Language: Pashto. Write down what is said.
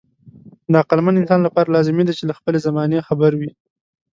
د عقلمن انسان لپاره لازمي ده چې له خپلې زمانې خبر وي.